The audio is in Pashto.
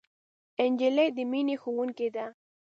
نجلۍ د مینې ښوونکې ده.